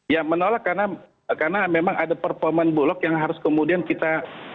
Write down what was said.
ya menolak karena memang ada performa bulog yang harus kemudian kita